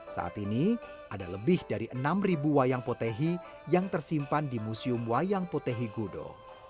saat ini ada lebih dari enam wayang potehi yang tersimpan di museum wayang potehi gudo